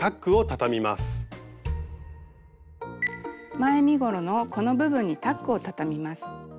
前身ごろのこの部分にタックをたたみます。